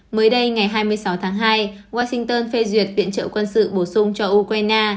mới đây ngày hai mươi sáu tháng hai washington phê duyệt viện trợ quân sự bổ sung cho ukraine